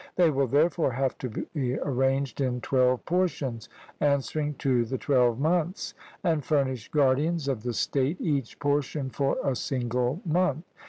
They will therefore have to be arranged in twelve portions, answering to the twelve months, and furnish guardians of the state, each portion for a single month.